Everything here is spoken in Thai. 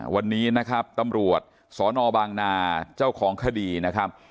วันนี้นะครับตำรวจสนบางนาเจ้าของคดีนะครับ